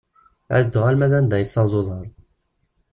Ad dduɣ alma d anda yessaweḍ uḍar.